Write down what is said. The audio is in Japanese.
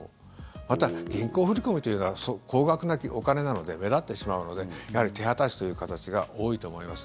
また、銀行振り込みというのは高額なお金なので目立ってしまうのでやはり手渡しという形が多いと思います。